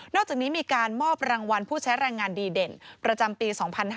อกจากนี้มีการมอบรางวัลผู้ใช้แรงงานดีเด่นประจำปี๒๕๕๙